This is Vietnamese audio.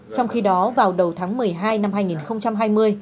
trong khi đó vào đầu tháng một mươi hai năm hai nghìn hai mươi